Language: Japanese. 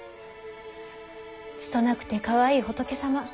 拙くてかわいい仏様。